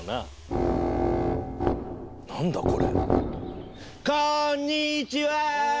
何だこれ？